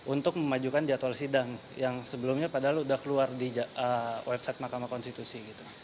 untuk memajukan jadwal sidang yang sebelumnya padahal sudah keluar di website mahkamah konstitusi